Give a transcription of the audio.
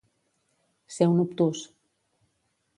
Ser un obtús.